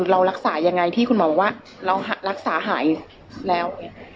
เรารักษายังไงที่คุณหมอบอกว่าเรารักษาหายแล้ว